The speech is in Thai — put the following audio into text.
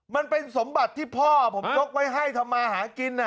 มันเป็นสมบัติที่พ่อผมริกกลกไว้ให้ทำหาหากิ้นน่ะ